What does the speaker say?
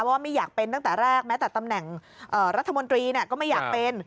ว่าไม่อยากเป็นตั้งแต่แรกแม้แต่ตำแหน่งรัฐมนตรีก็ไม่อยากเป็น